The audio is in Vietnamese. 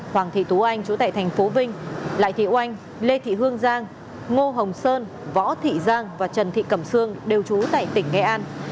hoàng thị tú anh chú tại thành phố vinh lại thị oanh lê thị hương giang ngô hồng sơn võ thị giang và trần thị cẩm sương đều trú tại tỉnh nghệ an